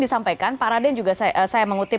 disampaikan pak raden juga saya mengutip